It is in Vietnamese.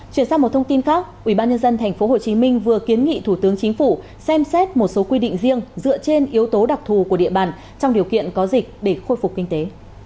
chuyển sang một thông tin khác ubnd tp hcm vừa kiến nghị thủ tướng chính phủ xem xét một số quy định riêng dựa trên yếu tố đặc thù của địa bàn trong điều kiện có dịch để khôi phục kinh tế